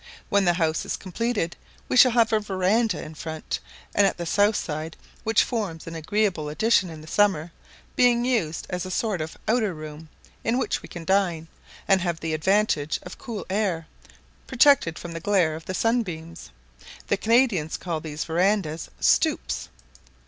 When the house is completed, we shall have a verandah in front; and at the south side, which forms an agreeable addition in the summer, being used as a sort of outer room, in which we can dine, and have the advantage of cool air, protected from the glare of the sunbeams. The Canadians call these verandahs "stoups."